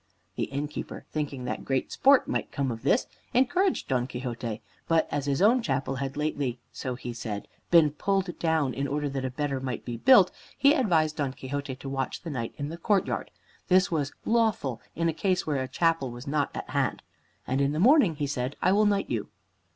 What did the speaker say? The innkeeper, thinking that great sport might come of this, encouraged Don Quixote, but as his own chapel had lately so he said been pulled down in order that a better might be built, he advised Don Quixote to watch that night in the courtyard. This was "lawful in a case where a chapel was not at hand. And in the morning," he said, "I will knight you."